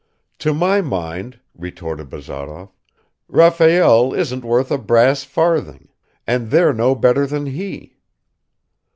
"To my mind," retorted Bazarov, "Raphael isn't worth a brass farthing, and they're no better than he."